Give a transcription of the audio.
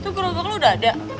itu kerobak lo udah ada